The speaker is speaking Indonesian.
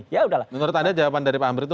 ya udahlah menurut anda jawaban dari pak amri itu